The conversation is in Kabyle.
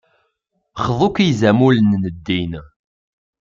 Xḍu-k I yizamulen n ddin.